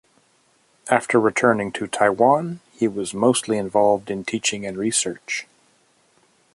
After returning to Taiwan, he was mostly involved in teaching and research.